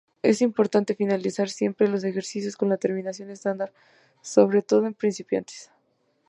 Es importante finalizar siempre los ejercicios con la terminación estándar, sobre todo en principiantes.